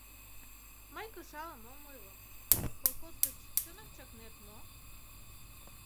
Мый кышалым ом ойло: колхоз гыч чынак чакнет мо?